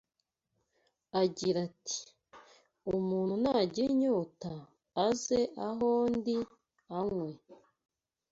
agira ati: “Umuntu nagira inyota, aze aho ndi, anywe